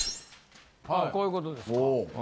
はいこういうことですか。